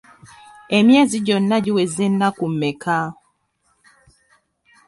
Emyezi gyonna giweza ennaku mmeka?